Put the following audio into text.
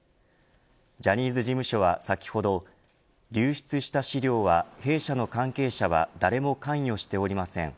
ジャニーズ事務所は、先ほど流出した資料は弊社の関係者は誰も関与しておりません。